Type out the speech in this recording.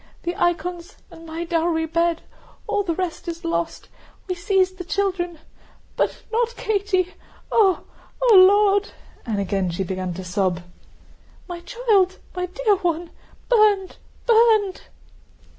The icons, and my dowry bed, all the rest is lost. We seized the children. But not Katie! Ooh! O Lord!..." and again she began to sob. "My child, my dear one! Burned, burned!"